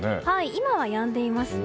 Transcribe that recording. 今は、やんでいますね。